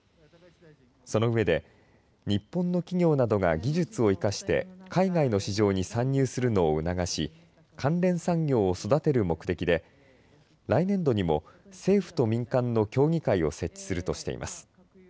その上で日本の企業などが技術を生かして海外の市場に参入するのを促し関連産業を育てる目的で来年度にも政府と民間の協議会を設置するとしています。